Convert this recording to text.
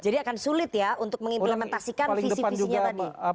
jadi akan sulit ya untuk mengimplementasikan visi visinya tadi